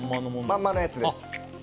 まんまのやつです。